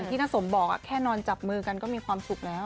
กี๊แค่นอนจับมือกันเขามีความสุขแล้ว